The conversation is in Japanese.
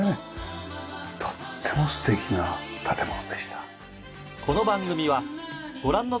とっても素敵な建物でした。